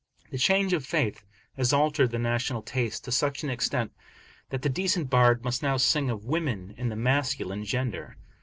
The change of faith has altered the national taste to such an extent, that the decent bard must now sing of woman in the masculine gender.